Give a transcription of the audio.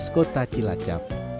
di kota cilacap